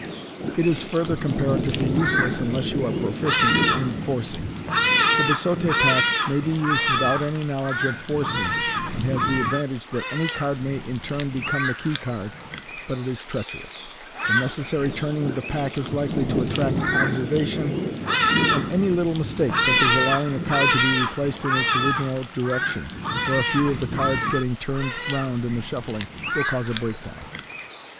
It is further comparatively useless unless you are proficient in "forcing." The hiseaute pack may be used without any knowledge of " forcing," and has the advantage that any card may in turn become the key card, but it is treacherous. 62 MODERN MAGIC. The necessary turning of the pack is likely to attract observation, and any little mistake, such as allowing the card to be replaced in its original direction, or a few of the cards getting turned round in shuffling, will cause a breakdown.